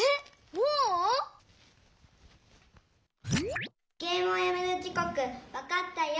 もう⁉「ゲームをやめる時こくわかったよ！